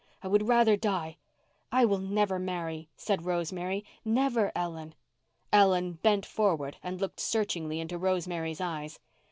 I would rather die." "I will never marry," said Rosemary, "never, Ellen." Ellen bent forward and looked searchingly into Rosemary's eyes.